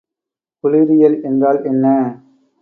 குளிரியல் என்றால் என்ன?